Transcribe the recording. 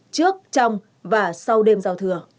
trước trong và sau đêm giao thừa